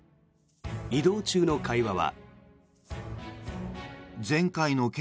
移動中の会話は。